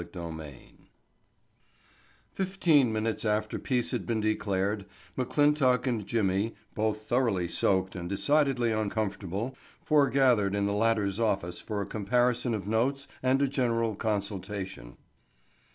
Chapter Ten Fifteen minutes after peace had been declared McClintock and Jimmy, both thoroughly soaked and decidedly uncomfortable, foregathered in the latter's office for a comparison of notes and a general consultation.